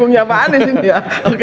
udeknya jakarta ya